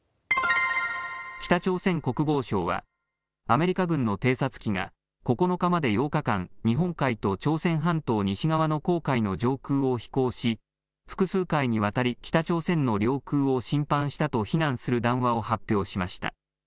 北朝鮮国防省はアメリカ軍の偵察機が９日まで８日間日本海と朝鮮半島西側の黄海の上空を飛行し複数回にわたり北朝鮮の領空を侵犯したと非難する談話をを発表しました。